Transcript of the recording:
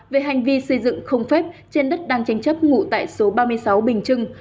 về hành vi xây dựng không phép trên đất đang tranh chấp ngụ tại số ba mươi sáu bình trưng